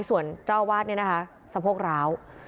ส่วนเจ้าอาวาสเนี่ยนะคะสะโพกร้าว